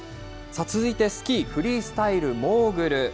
続いてスキーフリースタイルモーグル。